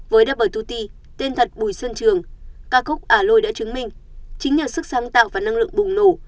với double hai t tên thật bùi sơn trường ca khúc aloy đã chứng minh chính nhận sức sáng tạo và năng lượng bùng nổ